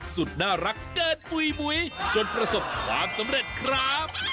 สุดน่ารักเกินปุ๋ยหมุยจนประสบความสำเร็จครับ